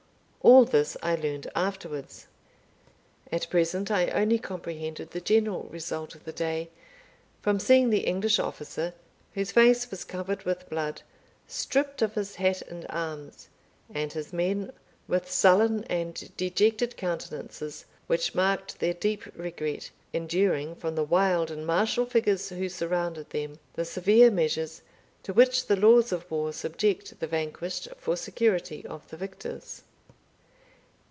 All this I learned afterwards. At present I only comprehended the general result of the day, from seeing the English officer, whose face was covered with blood, stripped of his hat and arms, and his men, with sullen and dejected countenances which marked their deep regret, enduring, from the wild and martial figures who surrounded them, the severe measures to which the laws of war subject the vanquished for security of the victors.